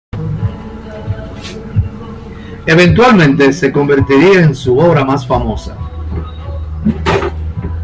Eventualmente se convertiría en su obra más famosa.